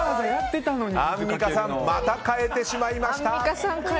アンミカさんまた変えてしまいました。